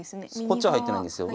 こっちは入ってないんですよ。